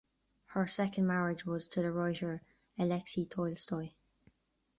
Her second marriage was to the writer Alexey Tolstoy.